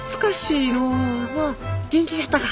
う元気じゃったか？